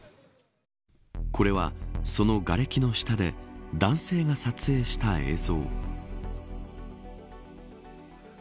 これは、そのがれきの下で男性が撮影した映像。